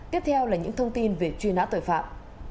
tiếp theo là những thông tin về truy nã tội phạm